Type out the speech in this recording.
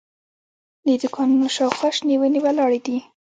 د دوکانونو شاوخوا شنې ونې ولاړې دي.